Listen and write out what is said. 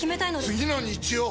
次の日曜！